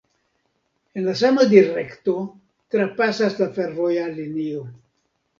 En la sama direkto trapasas la fervoja linio.